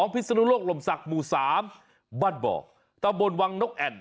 พิศนุโลกลมศักดิ์หมู่๓บ้านบ่อตำบลวังนกแอ่น